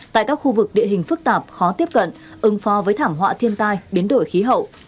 tại các khu vực địa hình phức tạp khó tiếp cận ứng phó với thảm họa thiên tai biến đổi khí hậu